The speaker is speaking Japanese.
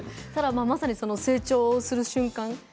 まさに成長する瞬間